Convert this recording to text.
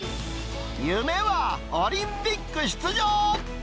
夢はオリンピック出場。